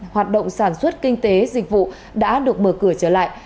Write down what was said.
hoạt động sản xuất kinh tế dịch vụ đã được mở cửa trở lại